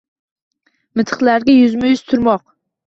Miltiqlarga yuzma–yuz turmoq.